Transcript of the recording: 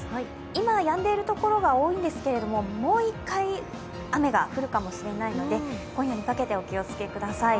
今、やんでいる所が多いんですけれどもう１回、雨が降るかもしれないので、今夜にかけてお気をつけください。